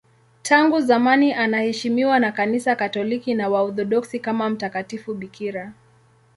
Tangu zamani anaheshimiwa na Kanisa Katoliki na Waorthodoksi kama mtakatifu bikira.